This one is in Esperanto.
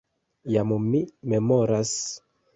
Kaj mi memoras...